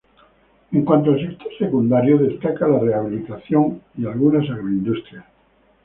En cuanto al sector secundario, destaca la rehabilitación y algunas agroindustrias.